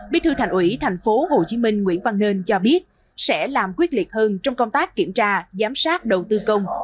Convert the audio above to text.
bí thư thành ủy tp hcm nguyễn văn nên cho biết sẽ làm quyết liệt hơn trong công tác kiểm tra giám sát đầu tư công